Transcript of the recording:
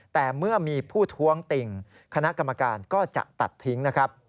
แต่เมื่อมีผู้ท้วงติ่งคณะกรรมการก็จะตัดทิ้งนะครับ